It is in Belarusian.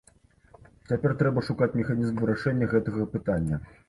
Цяпер трэба шукаць механізм вырашэння гэтага пытання.